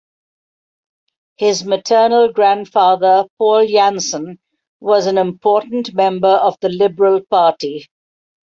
His maternal grandfather, Paul Janson was an important member of the Liberal Party.